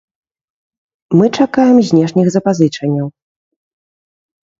Мы чакаем знешніх запазычанняў.